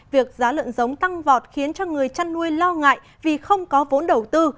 việc giá lợn giống tăng vọt khiến cho người chăn nuôi lo ngại vì không có vốn đầu tư